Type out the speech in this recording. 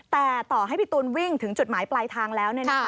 แต่ต่อให้พี่ตูนวิ่งถึงจุดหมายปลายทางแล้ว